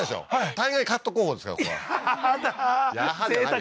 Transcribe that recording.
大概カット候補ですからここはやだ